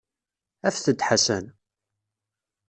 Afet-d Ḥasan.